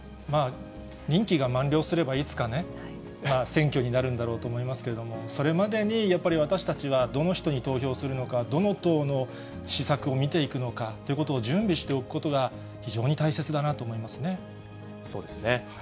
任期が満了すれば、いつかね、選挙になるんだろうと思いますけれども、それまでにやっぱり、私たちはどの人に投票するのか、どの党の施策を見ていくのかということを準備しておくことが、そうですね。